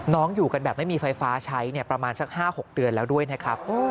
อยู่กันแบบไม่มีไฟฟ้าใช้ประมาณสัก๕๖เดือนแล้วด้วยนะครับ